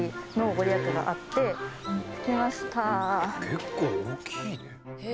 結構大きいね。